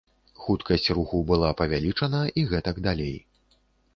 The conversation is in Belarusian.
Хуткасць руху была павялічана і гэтак далей.